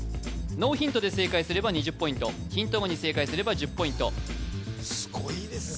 ノーヒントで正解すれば２０ポイントヒント後に正解すれば１０ポイントすごいですね